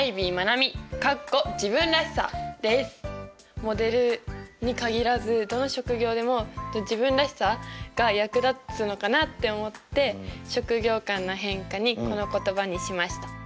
モデルに限らずどの職業でも自分らしさが役立つのかなって思って職業観の変化にこの言葉にしました。